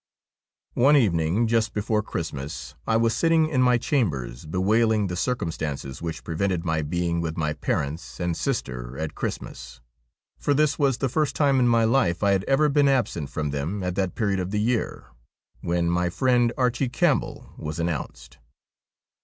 One evening, just before Christmas, I was sitting in my chambers bewailing the circumstances which prevented my being with my parents and sister at Christmas, for this was the first time in my life I had ever been absent from them at that period of the year, when my friend Archie Campbell was announced.